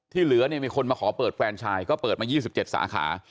เหลือเนี่ยมีคนมาขอเปิดแฟนชายก็เปิดมา๒๗สาขา